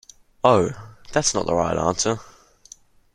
Oh, that's not the right answer.